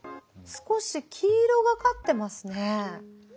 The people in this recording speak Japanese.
少し黄色がかってますね。